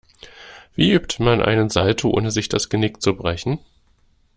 Wie übt man einen Salto, ohne sich das Genick zu brechen?